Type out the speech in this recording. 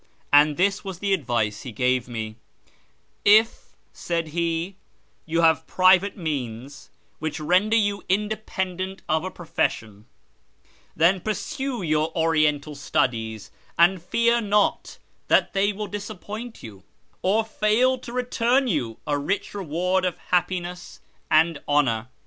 And this was the advice he gave me —" If," said he, " you have private means which render you independent of a profession, then pursue your Oriental studies, and fear not that they will disappoint you, or fail to return you a rich reward of happiness and honour.